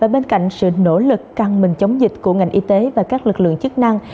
bên cạnh sự nỗ lực căng mình chống dịch của ngành y tế và các lực lượng chức năng